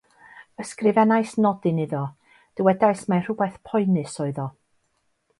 Ysgrifennais nodyn iddo, dywedais mai rhywbeth poenus oedd o.